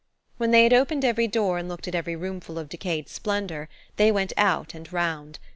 When they had opened every door and looked at every roomful of decayed splendour they went out and round.